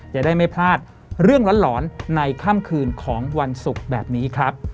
จะได้ไม่พลาดเรื่องหลอนในค่ำคืนของวันศุกร์แบบนี้ครับ